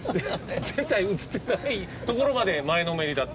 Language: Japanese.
全体映ってないところまで前のめりだった。